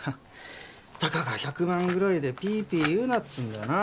たかが１００万ぐらいでピーピー言うなっつんだよな。